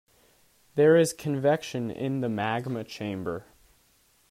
There is convection in the magma chamber.